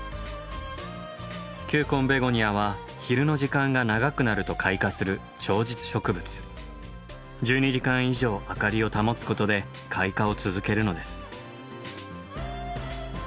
球根ベゴニアは昼の時間が長くなると開花する１２時間以上明かりを保つことで開花を続けるのです。